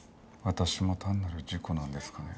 私も単なる事故なんですかね？